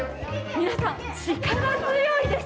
皆さん、力強いです。